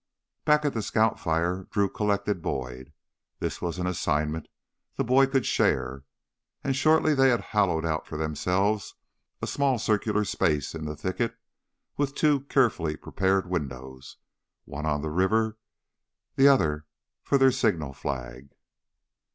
Back at the scout fire Drew collected Boyd. This was an assignment the boy could share. And shortly they had hollowed out for themselves a small circular space in the thicket, with two carefully prepared windows, one on the river, the other for their signal flag.